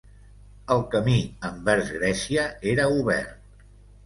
El camí envers Grècia era obert.